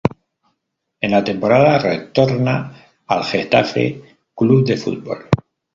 En la temporada retorna al Getafe Club de Fútbol.